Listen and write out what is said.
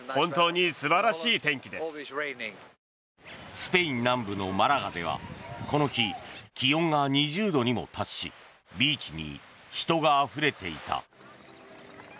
スペイン南部のマラガではこの日、気温が２０度にも達しビーチに人があふれていた。